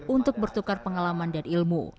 untuk bertukar pengalaman dan ilmu